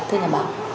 thưa nhà báo